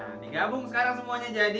nah digabung sekarang semuanya jadi